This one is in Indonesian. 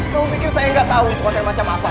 kamu pikir saya gak tau itu konten macam apa